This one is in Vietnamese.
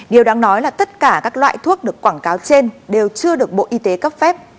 điều đáng nói là tất cả các loại thuốc được quảng cáo trên đều chưa được bộ y tế cấp phép